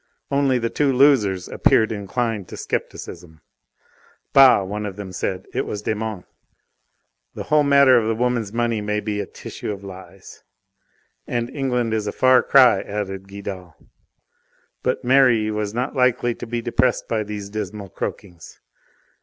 Only the two losers appeared inclined to scepticism. "Bah!" one of them said it was Desmonts. "The whole matter of the woman's money may be a tissue of lies!" "And England is a far cry!" added Guidal. But Merri was not likely to be depressed by these dismal croakings.